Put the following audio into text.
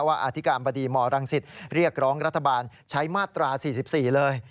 อธิการบดีมรังสิตเรียกร้องรัฐบาลใช้มาตรา๔๔เลย